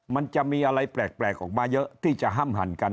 มันจะมีอะไรแปลกออกมาเยอะที่จะห้ามหั่นกัน